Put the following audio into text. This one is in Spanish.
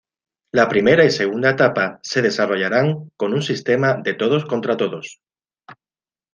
La primera y segunda etapa se desarrollarán con un sistema de todos contra todos.